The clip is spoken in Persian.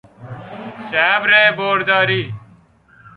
جبر برداری